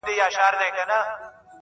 o پر زړه لښکري نه کېږي!